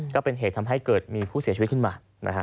ก็เป็นเหตุทำให้เกิดมีผู้เสียชีวิตขึ้นมานะฮะ